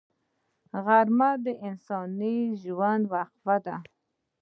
غرمه د انساني ژوند وقفه ده